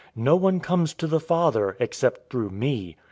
No one comes to the Father, except through me.